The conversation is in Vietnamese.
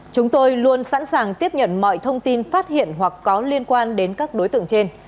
chúng tôi luôn sẵn sàng tiếp nhận mọi thông tin phát hiện hoặc có liên quan đến các đối tượng trên